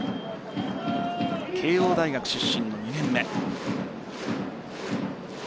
慶応大学出身の２年目。